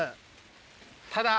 ただ。